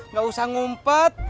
gak usah ngumpet